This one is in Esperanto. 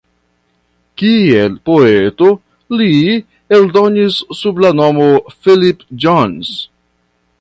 Kiel poeto li eldonis sub la nomo "Philippe Jones".